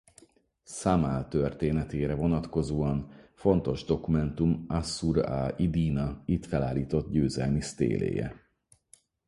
Szamal történetére vonatkozóan fontos dokumentum Assur-ah-iddína itt felállított győzelmi sztéléje.